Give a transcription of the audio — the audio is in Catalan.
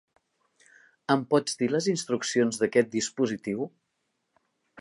Em pots dir les instruccions d'aquest dispositiu?